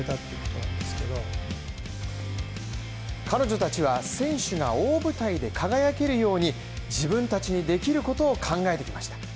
彼女たちは選手が大舞台で輝けるように自分たちにできることを考えてきました。